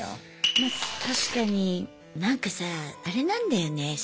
ま確かになんかさああれなんだよね